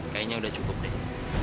kayaknya udah cukup deh